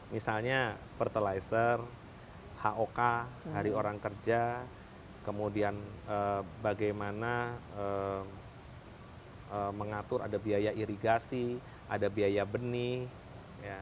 misalnya fertilizer hok hari orang kerja kemudian bagaimana mengatur ada biaya irigasi ada biaya benih